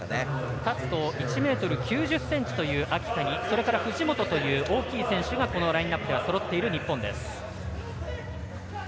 立つと１ｍ９０ｃｍという秋田にそれから藤本という大きい選手がそろっている日本。